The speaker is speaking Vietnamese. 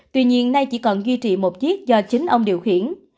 tuy nhiên nay chỉ còn duy trì một chiếc do chính ông điều khiển